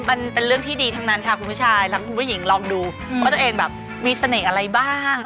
มันเป็นเรื่องที่ดีทั้งนั้นค่ะคุณผู้ชายทั้งคุณผู้หญิงลองดูว่าตัวเองแบบมีเสน่ห์อะไรบ้าง